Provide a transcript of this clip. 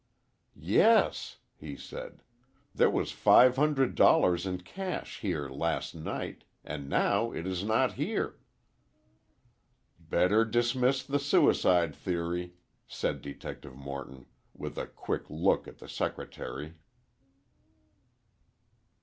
"Yes," he said, "there was five hundred dollars in cash here last night—and now it is not here." "Better dismiss the suicide theory," said Detective Morton, with a quick look at the secretary.